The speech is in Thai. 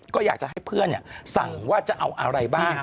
ก็อยากจะให้เพื่อนสั่งว่าจะเอาอะไรบ้าง